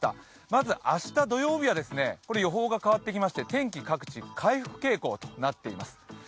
まず明日、土曜日は、予報が変わってきまして、天気、各地、回復傾向となっています。